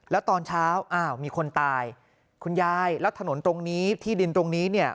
แล้วตอนเช้าอ้าวมีคนตายคุณยายแล้วถนนตรงนี้ที่ดินตรงนี้เนี่ย